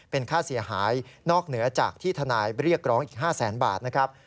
เป็นค่าเสียหายนอกเหนือจากที่ทนายเรียกร้องอีก๕แสนบาทนะครับ